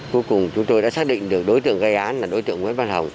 cuối cùng chúng tôi đã xác định được đối tượng gây án là đối tượng nguyễn văn hồng